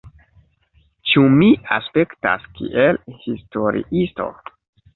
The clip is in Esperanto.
Ĉu mi aspektas kiel historiisto?